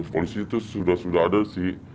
polisi itu sudah sudah ada sih